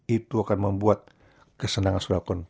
itu akan membuat kesenangan saudara pun